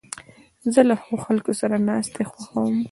زه له ښو خلکو سره ناستې خوښوم.